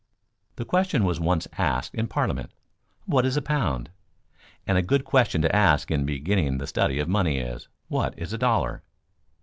"] The question was once asked in Parliament, "What is a pound?" and a good question to ask in beginning the study of money is, "What is a dollar?"